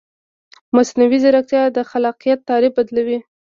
مصنوعي ځیرکتیا د خلاقیت تعریف بدلوي.